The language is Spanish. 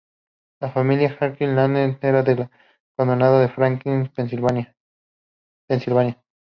La familia de Harriet Lane era del condado de Franklin, Pensilvania.